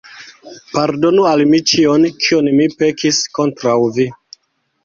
Pardonu al mi ĉion, kion mi pekis kontraŭ vi!